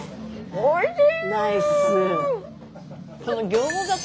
おいしい！